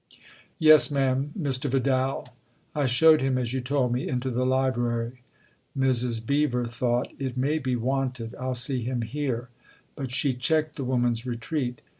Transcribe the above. " Yes, ma'am Mr. Vidal. I showed him, as you told me, into the library." * Mrs. Beever thought. " It may be wanted. I'll see him here." But she checked the woman's retreat.